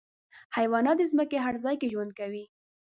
حیوانات د ځمکې هر ځای کې ژوند کوي.